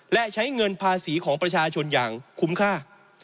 และใช้เงินภาษีของประชาชนอย่างคุ้มค่า